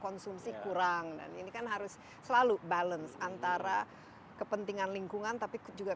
konsumsi kurang dan ini kan harus selalu balance antara kepentingan lingkungan tapi juga